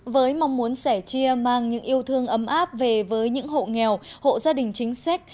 với mong muốn sẻ chia mang những yêu thương ấm áp về với những hộ nghèo hộ gia đình chính sách